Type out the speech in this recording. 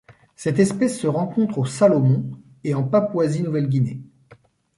Cette espèce se rencontre aux Salomon et en Papouasie-Nouvelle-Guinée.